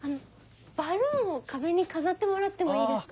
バルーンを壁に飾ってもらってもいいですか？